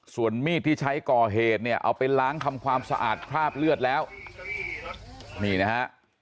ส่วนมีดที่ใช้ก่อเหตุเนี่ยเอาไปล้างทำความสะอาดคราบเลือดแล้วนี่นะฮะ